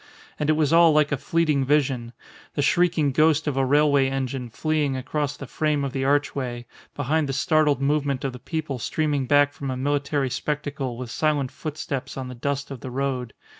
And it was all like a fleeting vision, the shrieking ghost of a railway engine fleeing across the frame of the archway, behind the startled movement of the people streaming back from a military spectacle with silent footsteps on the dust of the road.